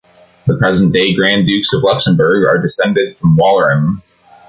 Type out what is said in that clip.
The present-day Grand Dukes of Luxemburg are descended from Walram.